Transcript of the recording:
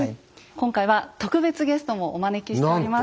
今回は特別ゲストもお招きしております。